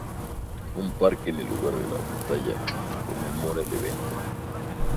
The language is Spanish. Un parque en el lugar de la batalla conmemora el evento.